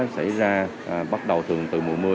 xảy ra bắt đầu thường từ mùa mưa